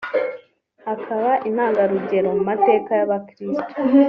akaba intangarugero mu mateka y’Abakirisitu